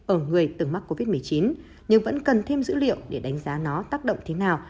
ở người từng mắc covid một mươi chín nhưng vẫn cần thêm dữ liệu để đánh giá nó tác động thế nào